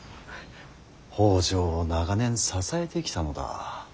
北条を長年支えてきたのだ。